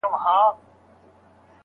شپه او ورځ يې په كورونو كي ښادي وه